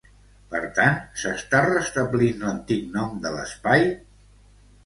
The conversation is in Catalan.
Per tant, s'està restablint l'antic nom de l'espai?